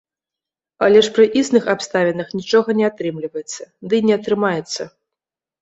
Але ж пры існых абставінах нічога не атрымліваецца, дый не атрымаецца.